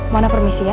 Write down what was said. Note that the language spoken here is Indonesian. mona permisi ya